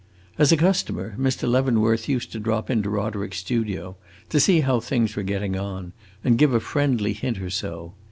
As a customer, Mr. Leavenworth used to drop into Roderick's studio, to see how things were getting on, and give a friendly hint or so.